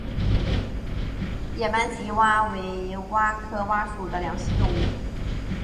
眼斑棘蛙为蛙科蛙属的两栖动物。